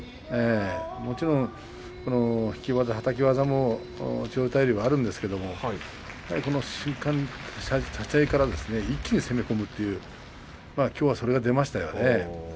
もちろん引き技、はたき技も千代大龍はあるんですけれども立ち合いから一気に攻め込むというきょうはそれが出ましたよね。